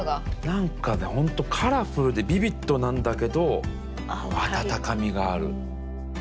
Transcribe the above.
なんかね、本当カラフルでビビッドなんだけど温かみがある。